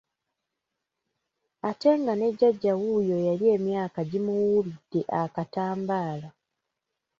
Ate nga ne Jjajja wuuyo yali emyaka gimuwuubidde akatambaala.